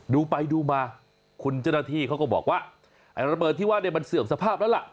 ดูไปดูมาคุณเจ้าหน้าที่เขาก็บอกว่าไอ้ระเบิดที่ว่าเนี่ยมันเสื่อมสภาพแล้วล่ะ